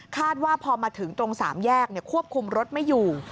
คาดว่าพอมาถึงตรงสามแยกเนี่ยควบคุมรถไม่อยู่